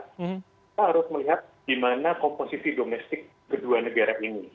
kita harus melihat di mana komposisi domestik kedua negara ini